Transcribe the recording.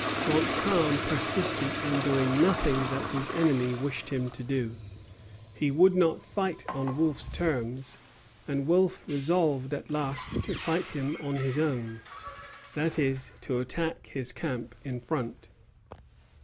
Montcalm persisted in doing nothing that his enemy wished him to do. He would not fight on Wolfe's terms, and Wolfe resolved at last to fight him on his own; that is, to attack his camp in front.